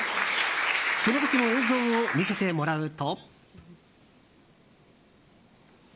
その時の映像を見せてもらうと。